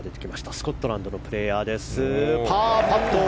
スコットランドのプレーヤーです。